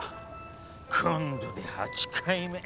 今度で８回目。